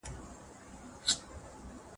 موږ بايد ساتنه وکړو.